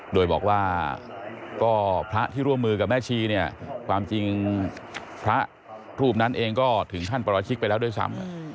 โดยบอกว่าก็พระที่ร่วมมือกับแม่ชีเนี่ยความจริงพระรูปนั้นเองก็ถึงขั้นประราชิกไปแล้วด้วยซ้ำ